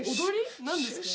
何ですか？